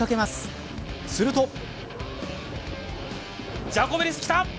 すると。